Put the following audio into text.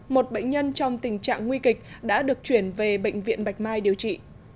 một bệnh nhân trong tình trạng nguy kịch đã được chuyển về bệnh viện bạch mai điều trị